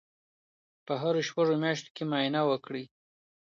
په هرو شپږو میاشتو کې معاینه وکړئ.